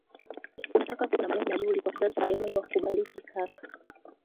unataka kuwepo na malengo mazuri kwa kizazi cha baadae Mungu akubariki kaka